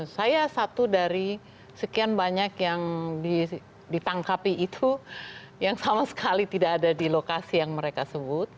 saya satu dari sekian banyak yang ditangkapi itu yang sama sekali tidak ada di lokasi yang mereka sebut